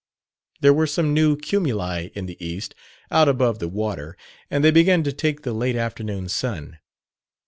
There were some new cumuli in the east, out above the water, and they began to take the late afternoon sun.